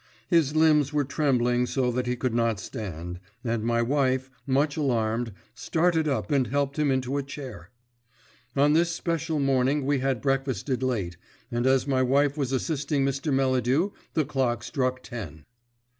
His limbs were trembling so that he could not stand, and my wife, much alarmed, started up and helped him into a chair. On this special morning we had breakfasted late, and as my wife was assisting Mr. Melladew the clock struck ten.